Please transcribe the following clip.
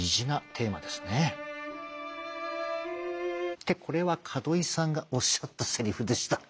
ってこれは門井さんがおっしゃったセリフでした。